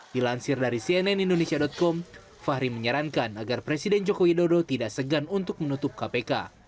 dilansir dari cnn indonesia com fahri menyarankan agar presiden joko widodo tidak segan untuk menutup kpk